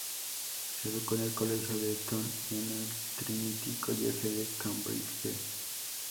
Se educó en el Colegio de Eton y en el Trinity College de Cambridge.